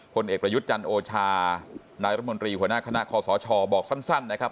เอกประยุทธ์จันทร์โอชานายรมนตรีหัวหน้าคณะคอสชบอกสั้นนะครับ